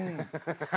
ハハハハ。